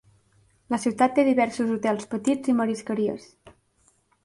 La ciutat té diversos hotels petits i marisqueries.